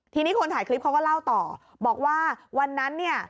ทีนี้คนถ่ายคลิปเขาก็เล่าต่อบอกว่าวันนั้นเนี่ย